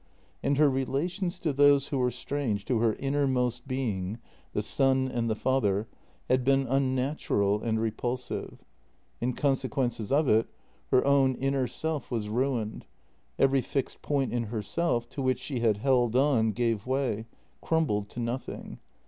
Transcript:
And her relations to those who were strange to her innermost being — the son and the father — had been un natural and repulsive. In consequence of it her own inner self was ruined; every fixed point in herself, to which she had held on, gave way — crumbled to nothing.